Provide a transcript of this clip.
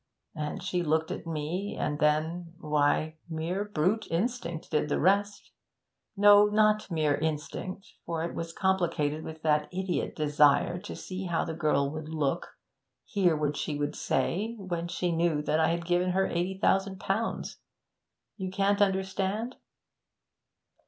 And she looked at me and then why, mere brute instinct did the rest no, not mere instinct, for it was complicated with that idiot desire to see how the girl would look, hear what she would say, when she knew that I had given her eighty thousand pounds. You can't understand?'